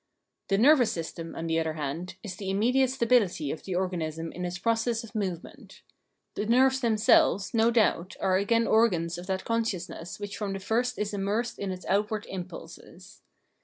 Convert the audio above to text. The nervous system, on the other hand, is the immediate stability of the organism in its process of movement. The nerves themselves, no doubt, are again organs of that consciousness which from the fu'st is immersed in its outward impulses.